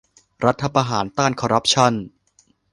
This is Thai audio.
รัฐประหารต้านคอรัปชั่น